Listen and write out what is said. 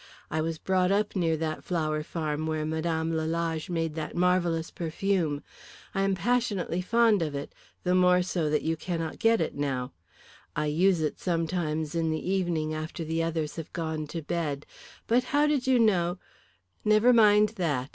I was brought up near that flower farm where Mme. Lalage made that marvellous perfume. I am passionately fond of it, the more so that you cannot get it now. I use it sometimes in the evening after the others have gone to bed. But how did you know " "Never mind that.